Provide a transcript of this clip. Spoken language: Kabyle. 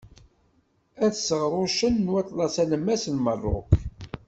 At Seɣrucen n Waṭlas Alemmas n Merruk.